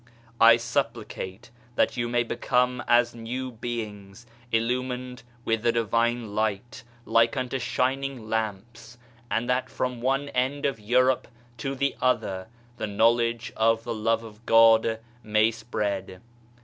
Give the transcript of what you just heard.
I supplicate that you may become as new beings, Illumined with the Divine Light, like unto shining lamps, BODY, SOUL AND SPIRIT 87 and that from one end of Europe to the other the know ledge of the Love of God may spread.